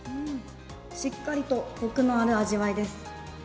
しっかりとこくのある味わいです。